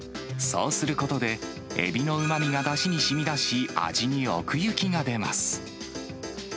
そうすることで、エビのうまみがだしにしみ出し、味に奥行きが出ます。